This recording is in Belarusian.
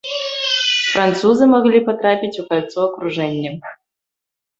Французы маглі патрапіць у кальцо акружэння.